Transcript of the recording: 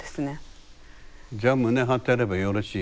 じゃあ胸張ってればよろしい。